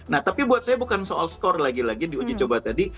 nah tapi buat saya bukan soal skor lagi lagi di uji coba tadi